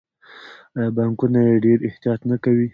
آیا بانکونه یې ډیر احتیاط نه کوي؟